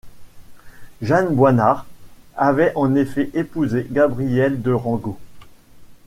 Jeanne Boinard avait en effet épousé Gabriel de Rangot.